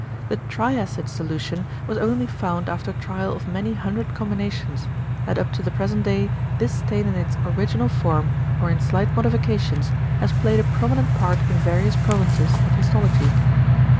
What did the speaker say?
The =triacid solution= was only found after trial of many hundred combinations; and up to the present day this stain in its original form or in slight modifications has played a prominent part in various provinces of histology.